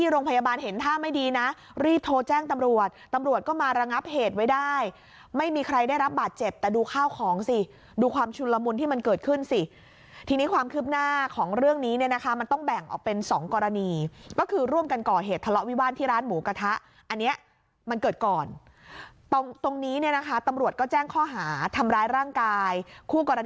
โรงพยาบาลเห็นท่าไม่ดีนะรีบโทรแจ้งตำรวจตำรวจก็มาระงับเหตุไว้ได้ไม่มีใครได้รับบาดเจ็บแต่ดูข้าวของสิดูความชุนละมุนที่มันเกิดขึ้นสิทีนี้ความคืบหน้าของเรื่องนี้เนี่ยนะคะมันต้องแบ่งออกเป็นสองกรณีก็คือร่วมกันก่อเหตุทะเลาะวิวาลที่ร้านหมูกระทะอันนี้มันเกิดก่อนตรงตรงนี้เนี่ยนะคะตำรวจก็แจ้งข้อหาทำร้ายร่างกายคู่กรณี